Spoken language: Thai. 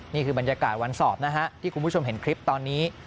นี่คือบรรยากาศวันสอบนะฮะที่คุณผู้ชมเห็นคลิปตอนนี้